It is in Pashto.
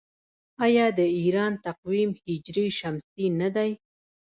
آیا د ایران تقویم هجري شمسي نه دی؟